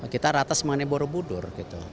kita ratas mengenai borobudur